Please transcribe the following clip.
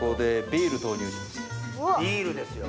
ビールですよ。